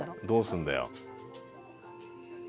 どうすんだよ？